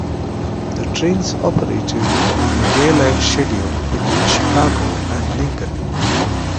The trains operated on a daylight schedule between Chicago and Lincoln.